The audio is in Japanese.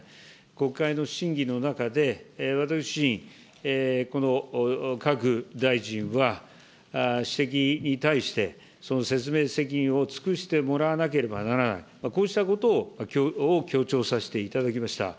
国会の審議の中で、私自身、この各大臣は、指摘に対してその説明責任を尽くしてもらわなければならない、こうしたことを強調させていただきました。